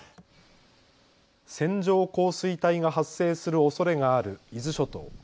線状降水帯が発生するおそれがある伊豆諸島。